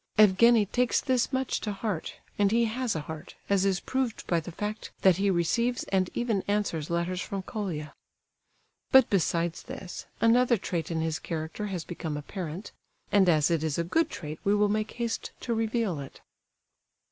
Evgenie takes this much to heart, and he has a heart, as is proved by the fact that he receives and even answers letters from Colia. But besides this, another trait in his character has become apparent, and as it is a good trait we will make haste to reveal it.